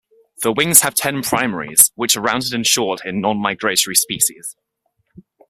The wings have ten primaries, which are rounded and short in non-migratory species.